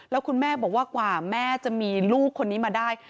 แล้วคุณแม่บอกว่ากว่าแม่จะมีลูกคนนี้มาได้